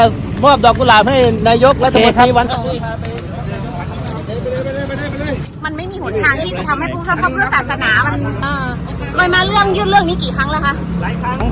สุดท้ายเท่าไหร่